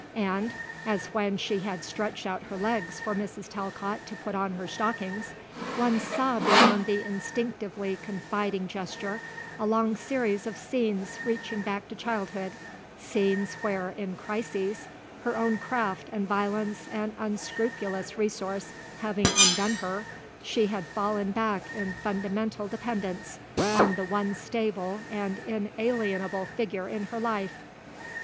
And as when she had stretched out her legs for Mrs. Talcott to put on her stockings one saw beyond the instinctively confiding gesture a long series of scenes reaching back to childhood, scenes where, in crises, her own craft and violence and unscrupulous resource having undone her, she had fallen back in fundamental dependence on the one stable and inalienable figure in her life.